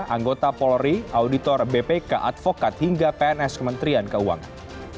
anggota polri auditor bpk advokat hingga pns kementerian keuangan